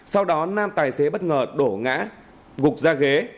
sau đó nam tài xế bất ngờ đổ ngã gục ra ghế